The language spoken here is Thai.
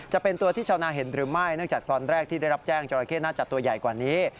จะเป็นตัวที่ชาวนาเห็นหรือไม่เนื่องจากตอนแรกที่ได้รับแจ้งจราเข้น่าจะตัวใหญ่กว่านี้